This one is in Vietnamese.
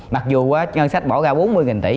mặc dù ngân sách bỏ ra bốn mươi tỷ